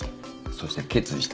そして決意した。